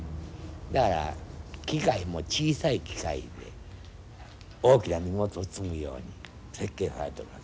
だから機械も小さい機械で大きな荷物を積むように設計されてますね。